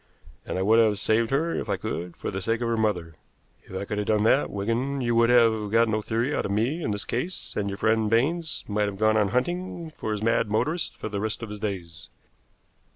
And I would have saved her if I could, for the sake of her mother. If I could have done that, Wigan, you would have got no theory out of me in this case, and your friend Baines might have gone on hunting for his mad motorist for the rest of his days."